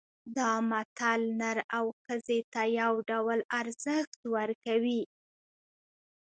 دا متل نر او ښځې ته یو ډول ارزښت ورکوي